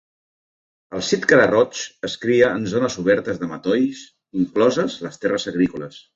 El sit cara-roig es cria en zones obertes de matolls, incloses les terres agrícoles.